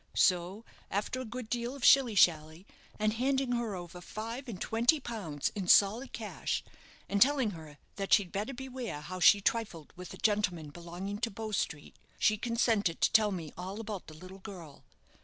So, after a good deal of shilly shally, and handing her over five and twenty pounds in solid cash, and telling her that she'd better beware how she trifled with a gentleman belonging to Bow Street, she consented to tell me all about the little girl.